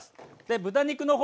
豚肉の方